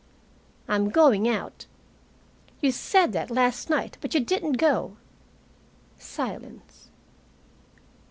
"I'm going out." "You said that last night, but you didn't go." Silence.